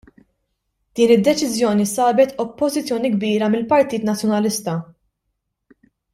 Din id-deċiżjoni sabet oppożizzjoni kbira mill-Partit Nazzjonalista.